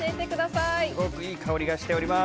いい香りがしております。